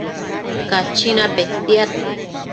Cachina petiad